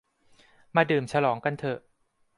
มาดื่มฉลองกันเถอะ